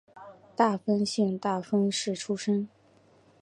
大分县大分市出身。